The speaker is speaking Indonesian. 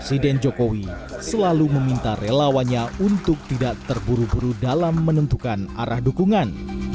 presiden jokowi selalu meminta relawannya untuk tidak terburu buru dalam menentukan arah dukungan